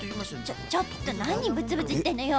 ちょちょっとなにブツブツいってんのよ。